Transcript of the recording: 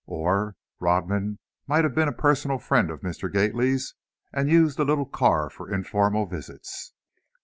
Or, Rodman might have been a personal friend of Mr. Gately's and used the little car for informal visits.